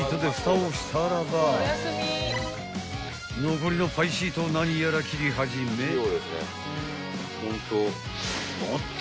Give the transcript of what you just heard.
［残りのパイシートを何やら切り始めおっと！